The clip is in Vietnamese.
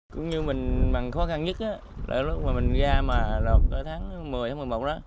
cũng như mình bằng khó khăn nhất là lúc mà mình ra mà lộp ở tháng một mươi tháng một mươi một đó